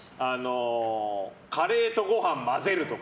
カレーとご飯混ぜるとか。